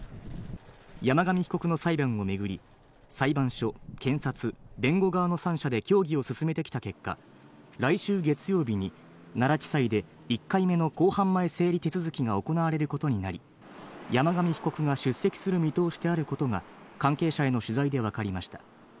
山上被告の裁判を巡り、裁判所、検察、弁護側の３者で協議を進めてきた結果、来週月曜日に奈良地裁で１回目の公判前整理手続きが行われることになり、山上被告が出席する見通しであることが関係者への取材でわかりました。